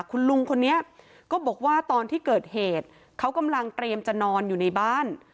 คุณลุงคนนี้ก็บอกว่าตอนที่เกิดเหตุเขากำลังเตรียมจะนอนอยู่ในบ้าน